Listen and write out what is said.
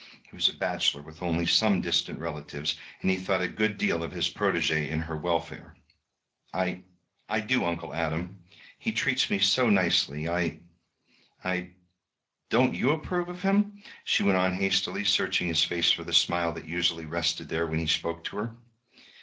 He was a bachelor, with only some distant relatives, and he thought a good deal of his protegée and her welfare. "I I do, Uncle Adam. He treats me so nicely. I I don't you approve of him?" she went on hastily, searching his face for the smile that usually rested there when he spoke to her.